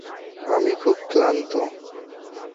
আমি খুব ক্লান্ত।